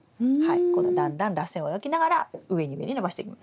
このだんだんらせんを描きながら上に上に伸ばしていきます。